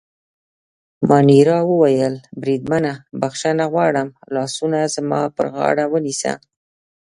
مانیرا وویل: بریدمنه، بخښنه غواړم، لاسونه زما پر غاړه ونیسه.